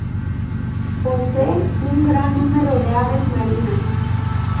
Posee un gran número de aves marinas.